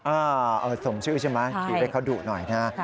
อ่าส่งชื่อใช่ไหมขี่ไปเขาดูหน่อยนะ